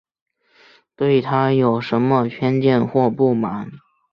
对她有什么偏见或不满